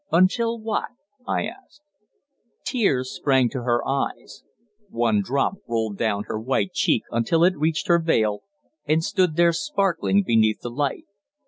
"Until what?" I asked. Tears sprang to her eyes. One drop rolled down her white cheek until it reached her veil, and stood there sparkling beneath the light.